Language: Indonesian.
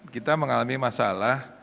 kita mengalami masalah